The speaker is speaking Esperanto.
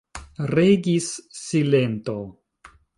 Regis silento.